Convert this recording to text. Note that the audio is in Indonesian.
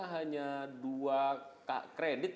hanya dua kredit